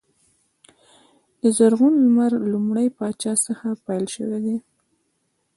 د زرغون لمر لومړي پاچا څخه پیل شوی دی.